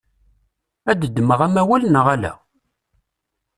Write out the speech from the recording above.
Ad d-ddmeɣ amawal neɣ ala?